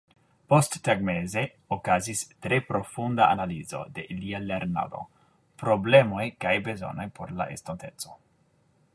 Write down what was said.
Posttagmeze okazis tre profunda analizo de ilia lernado, problemoj kaj bezonoj por la estonteco.